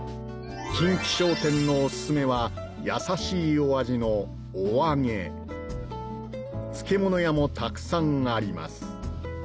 「近喜商店」のオススメは優しいお味のお揚げ漬物屋もたくさんあります